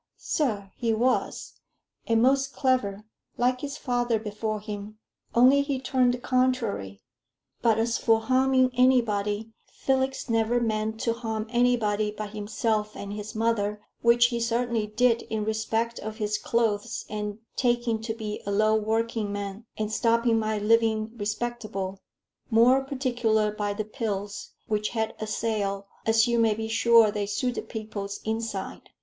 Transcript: "Sir, he was, and most clever, like his father before him, only he turned contrary. But as for harming anybody, Felix never meant to harm anybody but himself and his mother, which he certainly did in respect of his clothes, and taking to be a low workingman, and stopping my living respectable, more particular by the pills, which had a sale, as you may be sure they suited people's insides.